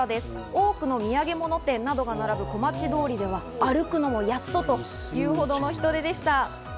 多くの土産物店などが並ぶ小町通りでは歩くのもやっとというほどの人出でした。